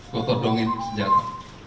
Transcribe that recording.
gue todongin senjata